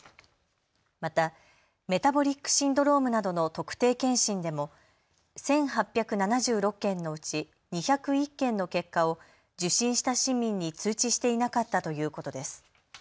またメタボリックシンドロームなどの特定健診でも１８７６件のうち２０１件の結果を受診した市民に通知していなかったということです。